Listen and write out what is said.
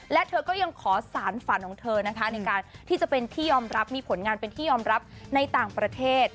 และเธอก็ยังขอสารฝันของเธอนะคะในการที่จะเป็นที่ยอมรับมีผลงานเป็นที่ยอมรับในต่างประเทศ